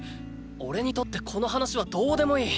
おれにとってこの話はどうでもいい。